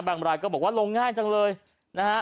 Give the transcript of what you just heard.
รายก็บอกว่าลงง่ายจังเลยนะฮะ